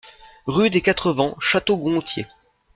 Rue des Quatres Vents, Château-Gontier